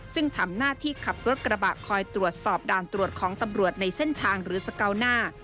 ซึ่งทำหน้าที่ขับรถกระบะคอยตรวจสอบด่านตรวจของตำรวจในเส้นทางหรือสเกาหน้า